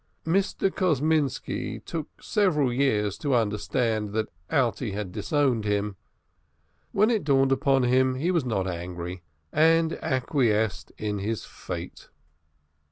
Mr. Kosminski took several years to understand that Alte had disowned him. When it dawned upon him he was not angry, and acquiesced in his fate.